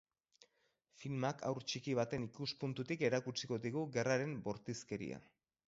Filmak haur txiki baten ikuspuntutik erakutsiko digu gerraren bortizkeria.